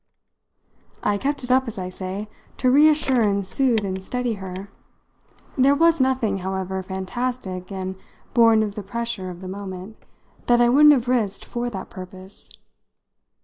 I kept it up, as I say, to reassure and soothe and steady her; there was nothing, however fantastic and born of the pressure of the moment, that I wouldn't have risked for that purpose.